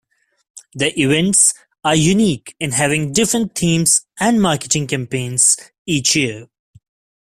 The events are unique in having different themes and marketing campaigns each year.